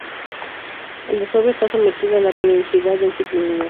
El desove está sometido a la periodicidad del ciclo lunar.